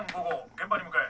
現場に向かえ。